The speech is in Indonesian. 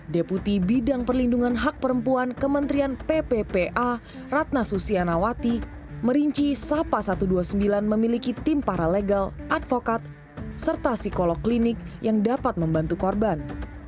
deputi bidang perlindungan hak perempuan kementerian pppa ratna susianawati merinci sapa satu ratus dua puluh sembilan memiliki tim paralegal advokat serta psikolog klinik yang dapat membantu korban